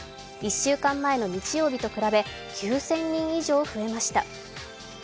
１週間前の日曜日と比べ９０００人以上増えました。